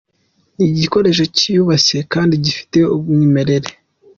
Ni igikoresho cyiyubashye kandi gifite umwimerere.